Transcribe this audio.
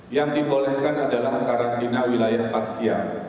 yang dibolehkan adalah karantina wilayah parsial